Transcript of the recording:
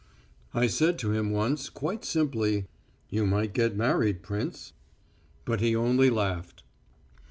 I said to him once, quite simply, "You might get married, prince." But he only laughed.